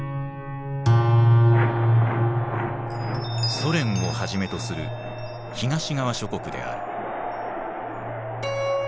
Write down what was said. ソ連をはじめとする東側諸国である。